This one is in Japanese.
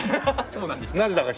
そうなんですか？